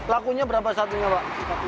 lakunya berapa saat ini pak